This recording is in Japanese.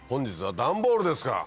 ダンボールですか。